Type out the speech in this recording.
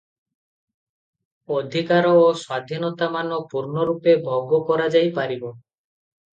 ଅଧିକାର ଓ ସ୍ୱାଧୀନତାମାନ ପୂର୍ଣ୍ଣରୂପେ ଭୋଗ କରାଯାଇ ପାରିବ ।